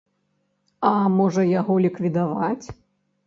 А, можа, яго ліквідаваць.